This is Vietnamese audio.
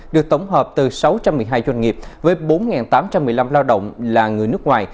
được tổng hợp từ sáu trăm một mươi hai doanh nghiệp với bốn tám trăm một mươi năm lao động là người nước ngoài